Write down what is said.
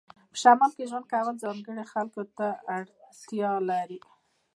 په شمال کې ژوند کول ځانګړو خلکو ته اړتیا لري